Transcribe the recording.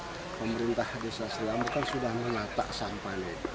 saya pemerintah desa sri amur kan sudah mengatak sampah ini